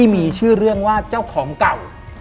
มีชื่อเรื่องว่าเจ้าของเก่า